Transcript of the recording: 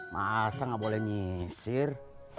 masa ga boleh nyesir